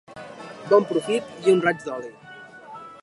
Bon profit i un raig d'oli.